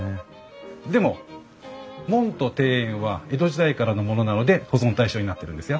でも門と庭園は江戸時代からのものなので保存対象になってるんですよ。